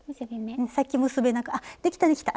さっき結べなかあっできたできた。